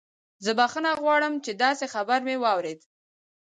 زه بخښنه غواړم چې داسې خبر مې واورید